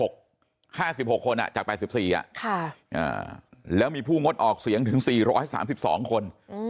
๖๕๖คนจาก๘๔แล้วมีผู้งดออกเสียงถึง๔๓๒คน